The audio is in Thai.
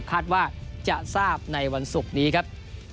คาดว่าจะทราบในวันศุกร์นี้ครับ